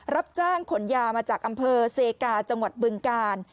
รับจ้างขนยามาจากอำเภอเซกาจังหวัดบึงกาล